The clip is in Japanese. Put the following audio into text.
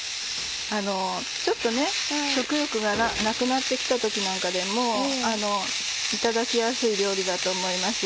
ちょっと食欲がなくなって来た時なんかでもいただきやすい料理だと思います。